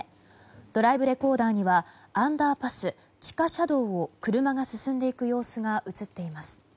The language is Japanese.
ドライブレコーダーにはアンダーパス、地下車道を車が進んでいく様子が映っています。